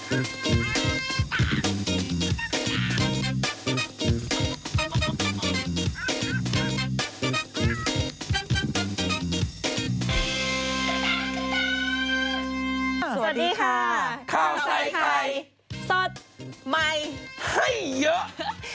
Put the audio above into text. สวัสดีค่ะข้าวใส่ไข่สดใหม่ให้เยอะ